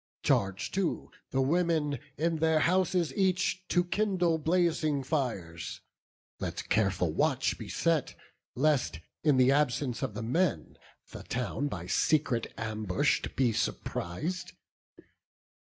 Charge too the women, in their houses each, To kindle blazing fires; let careful watch Be set, lest, in the absence of the men, The town by secret ambush be surpris'd.